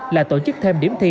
là tổ chức thêm điểm thi